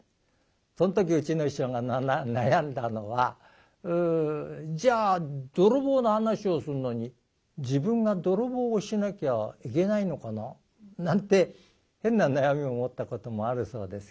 その時うちの師匠が悩んだのは「じゃあ泥棒の噺をするのに自分が泥棒をしなきゃいけないのかな」なんて変な悩みを持ったこともあるそうですけれどいやそうじゃない。